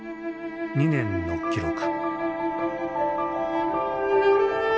２年の記録。